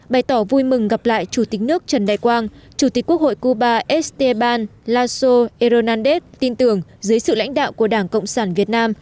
bày tỏ vui mừng gặp lại chủ tịch nước trần đại quang chủ tịch quốc hội cuba esteban laso eroandez tin tưởng dưới sự lãnh đạo của đảng cộng sản việt nam